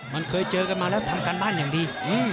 มันเคยเจอกันมาแล้วทำการบ้านอย่างดี